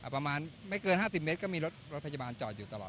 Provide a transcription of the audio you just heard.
ประมาณไม่เกิน๕๐เมตรก็มีรถพยาบาลจอดอยู่ตลอด